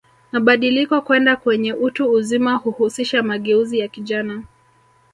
Mabadiliko kwenda kwenye utu uzima huhusisha mageuzi ya kijana